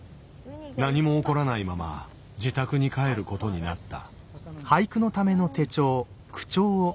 何も起こらないまま自宅に帰ることになった。